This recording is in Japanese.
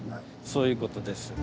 そういうことです。